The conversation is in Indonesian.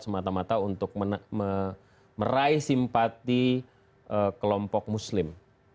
semata mata untuk meraih simpati kelompok muslim